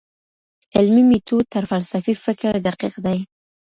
علمي ميتود تر فلسفي فکر دقيق دی.